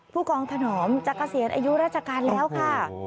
ผู้กองถนอมจะเกษียณอายุราชการแล้วค่ะ